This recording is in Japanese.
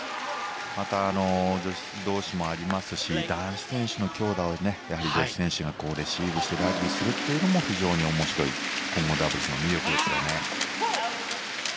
また、女子同士もありますし男子選手の強打を女子選手がレシーブしてラリーするのも非常に面白い混合ダブルスの魅力ですよね。